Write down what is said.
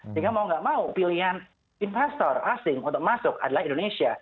sehingga mau gak mau pilihan investor asing untuk masuk adalah indonesia